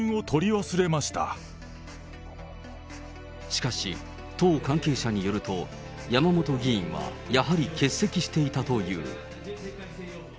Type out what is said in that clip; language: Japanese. しかし、党関係者によると、山本議員はやはり欠席していたという。